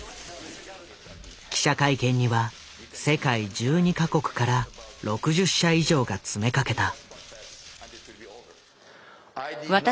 記者会見には世界１２か国から６０社以上が詰めかけた。